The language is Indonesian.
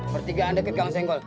bertiga anda kan kan senggol